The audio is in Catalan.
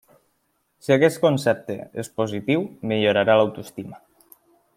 Si aquest concepte és positiu, millorarà l'autoestima.